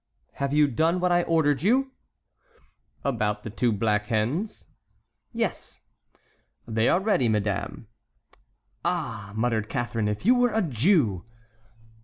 "Have you done what I ordered you?" "About the two black hens?" "Yes!" "They are ready, madame." "Ah," muttered Catharine, "if you were a Jew!"